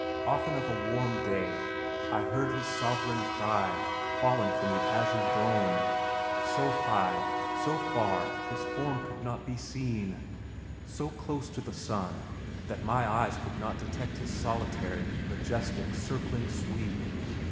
Often of a warm day, I heard his sovereign cry falling from the azure dome, so high, so far his form could not be seen, so close to the sun that my eyes could not detect his solitary, majestic circling sweep.